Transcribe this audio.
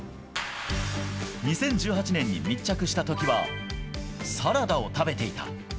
２０１８年に密着したときは、サラダを食べていた。